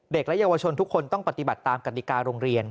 เด็กและเยาวชนทุกคนต้องปฏิบัติตามกติกาโรงเรียน